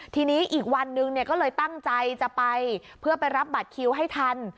ทีนี้อีกวันนึงก็เลยตั้งใจจะไปเพื่อไปรับบัตรคิวให้ทัน